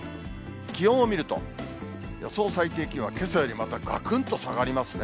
気温を見ると、予想最低気温は、けさよりまたがくんと下がりますね。